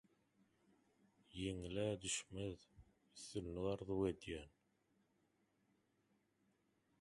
Ýeňil-ä düşmez, üstünlik arzuw edýän